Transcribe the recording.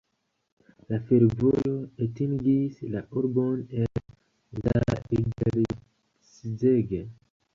La fervojo atingis la urbon el Zalaegerszeg.